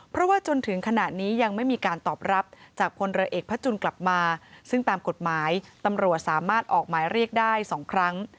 เพราะว่าจนถึงขณะนี้ยังไม่มีการตอบรับจากพลเรือเอกพระจุลกลับมาซึ่งตามกฎหมายตำรวจสามารถออกหมายเรียกได้๒ครั้ง